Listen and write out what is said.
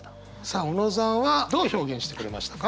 さあ小野さんはどう表現してくれましたか？